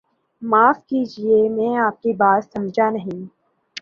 معاف کیجئے میں آپ کی بات سمجھانہیں